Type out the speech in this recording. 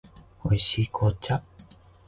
美味しい紅茶